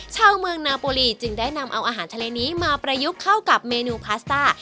ชาวเมืองนาโปรีจึงได้นำเอาอาหารทะเลนี้มาประยุกต์เข้ากับเมนูพาสต้า